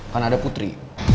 kan ada putri